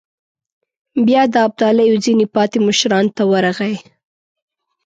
بيا د ابداليو ځينو پاتې مشرانو ته ورغی.